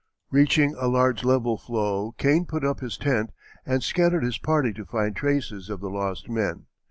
Reaching a large level floe Kane put up his tent and scattered his party to find traces of the lost men.